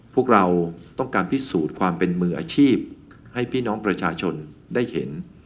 พวกเราต้องการพิสูจน์ความเป็นมืออาชีพให้พี่น้องประชาชนได้เห็น